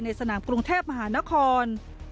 สนามกรุงเทพมหานคร